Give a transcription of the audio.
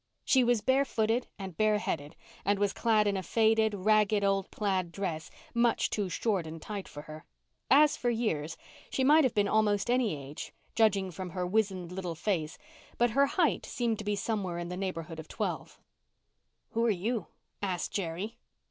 She was barefooted and bareheaded, and was clad in a faded, ragged, old plaid dress, much too short and tight for her. As for years, she might have been almost any age, judging from her wizened little face, but her height seemed to be somewhere in the neighbourhood of twelve. "Who are you?" asked Jerry.